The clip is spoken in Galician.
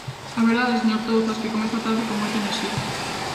A verdade, señor Touzas, que comeza a tarde con moita enerxía.